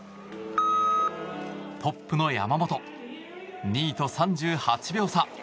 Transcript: トップの山本２位と３８秒差。